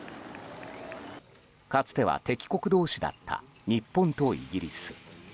かつては敵国同士だった日本とイギリス。